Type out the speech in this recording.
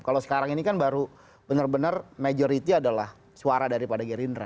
kalau sekarang ini kan baru benar benar majority adalah suara daripada gerindra